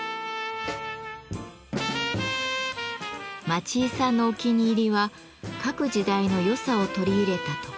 町井さんのお気に入りは各時代の良さを取り入れた特注品。